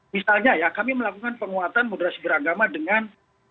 misalnya ya kami melakukan penguatan moderasi beragama dengan